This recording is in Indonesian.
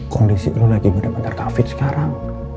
kondisi lo lagi mudah mencapai covid sekarang